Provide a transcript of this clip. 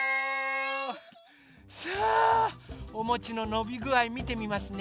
さあおもちののびぐあいみてみますね。